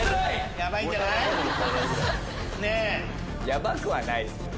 ヤバくはないっすよ。